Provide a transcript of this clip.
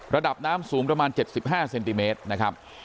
ระดับน้ำสูงประมาณ๗๕เซนติเมตรนะครับ